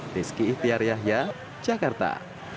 rizky itiar yahya jakarta